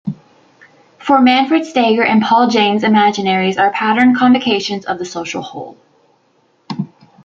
For Manfred Steger and Paul James imaginaries are patterned convocations of the social whole.